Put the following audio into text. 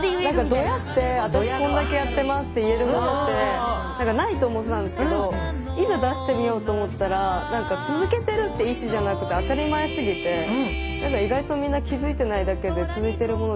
ドヤって「私こんだけやってます」って言えるものってないと思ってたんですけどいざ出してみようと思ったら続けてるって意志じゃなくて当たり前すぎて意外とみんな気付いてないだけで続いてるもの